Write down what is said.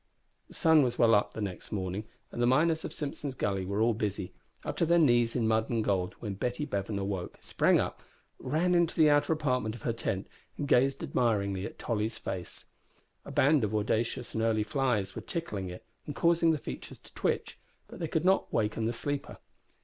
The sun was well up next morning, and the miners of Simpson's Gully were all busy, up to their knees in mud and gold, when Betty Bevan awoke, sprang up, ran into the outer apartment of her tent, and gazed admiringly at Tolly's face. A band of audacious and early flies were tickling it, and causing the features to twitch, but they could not waken the sleeper.